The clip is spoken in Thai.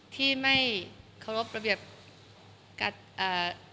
ที่ไม่เคารพระเบียบในการประชุมทรัพย์ค่ะ